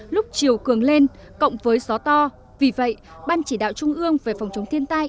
lúc chiều cường lên cộng với gió to vì vậy ban chỉ đạo trung ương về phòng chống thiên tai